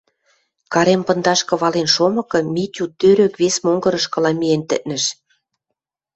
Карем пындашкы вален шомыкы, Митю тӧрӧк вес монгырышкыла миэн тӹкнӹш.